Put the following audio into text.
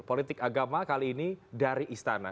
politik agama kali ini dari istana